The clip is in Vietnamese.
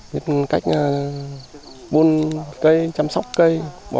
biết cách buôn cây chăm sóc cây